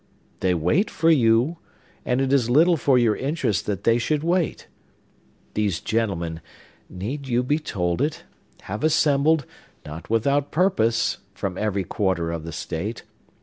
They wait for you; and it is little for your interest that they should wait. These gentlemen—need you be told it?—have assembled, not without purpose, from every quarter of the State.